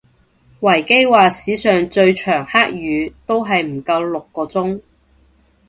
維基話史上最長黑雨都係唔夠六個鐘